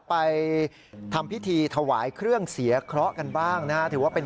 ไปทำพิธีถวายเครื่องเสียเคราะห์กันบ้างนะฮะถือว่าเป็น